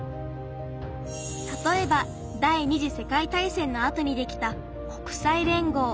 たとえば第２次世界大戦のあとにできた国際連合。